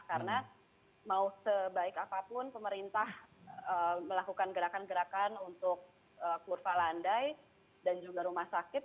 karena mau sebaik apapun pemerintah melakukan gerakan gerakan untuk kurva landai dan juga rumah sakit